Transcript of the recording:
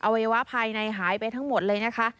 วัยวะภายในหายไปทั้งหมดเลยนะคะ